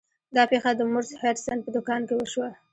دا پیښه د مورس هډسن په دکان کې وشوه.